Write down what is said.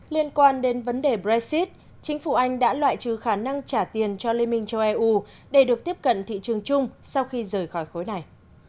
liên quan đến vấn đề brexit chính phủ anh đã loại trừ khả năng trả tiền cho liên minh châu eu để được tiếp cận thị trường chung sau khi rời khỏi khối này